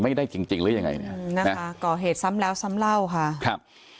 ไม่ได้จริงหรือยังไงก็เหตุซ้ำแล้วซ้ำเล่าค่ะ